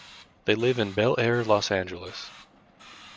They live in Bel Air, Los Angeles.